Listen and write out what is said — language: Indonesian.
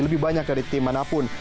lebih banyak dari tim manapun